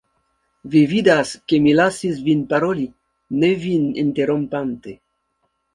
Vi vidas, ke mi lasis vin paroli, ne vin interrompante.